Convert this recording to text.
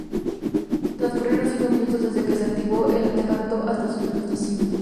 Transcurrieron cinco minutos desde que se activó el artefacto hasta su detonación.